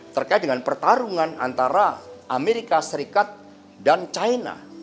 terkait dengan pertarungan antara amerika serikat dan china